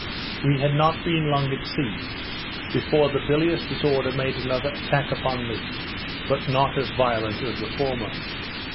We had not been long at sea, before the bilious disorder made another attack upon me, but not so violent as the former.